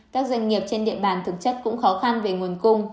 các doanh nghiệp trên địa bàn thực chất cũng khó khăn về nguồn cung